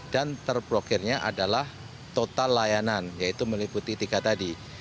dan terblokirnya adalah total layanan yaitu meliputi tiga tadi